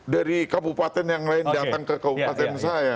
dari kabupaten yang lain datang ke kabupaten saya